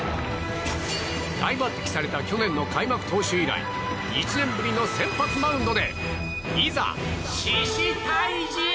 大抜擢された去年の開幕投手以来１年ぶりの先発マウンドでいざ、獅子退治へ！